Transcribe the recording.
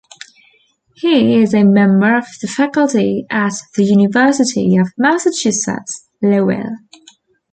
He is a member of the faculty at the University of Massachusetts Lowell.